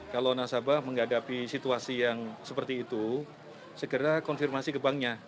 kalau nasabah menghadapi situasi yang seperti itu segera konfirmasi ke banknya